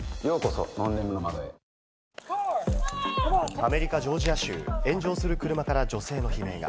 アメリカ・ジョージア州、炎上する車から女性の悲鳴が。